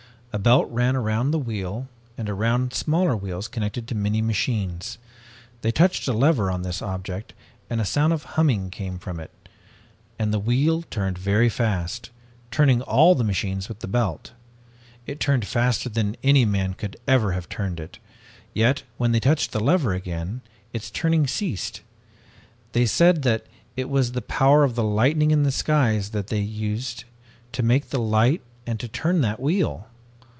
A belt ran around the wheel and around smaller wheels connected to many machines. They touched a lever on this object and a sound of humming came from it and the wheel turned very fast, turning all the machines with the belt. It turned faster than any man could ever have turned it, yet when they touched the lever again, its turning ceased. They said that it was the power of the lightning in the skies that they used to make the light and to turn that wheel!